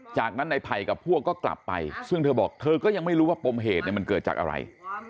จากนั้นในไผ่กับพวกก็กลับไปซึ่งเธอบอกเธอก็ยังไม่รู้ว่าปมเหตุมันเกิดจากอะไร